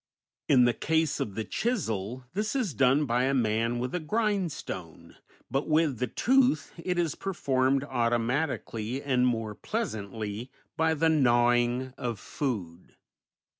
In the case of the chisel this is done by a man with a grindstone, but with the tooth it is performed automatically and more pleasantly by the gnawing of food.